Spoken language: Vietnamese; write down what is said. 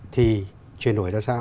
thì chuyển đổi ra sao